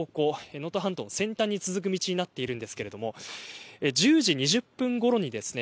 能登半島も先端に続く道になっているんですけども１０時２０分ごろにですね